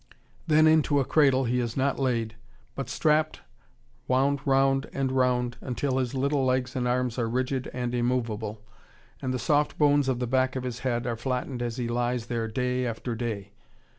Then into a cradle he is not laid, but strapped, wound round and round until his little legs and arms are rigid and immovable, and the soft bones of the back of his head are flattened as he lies there day after day.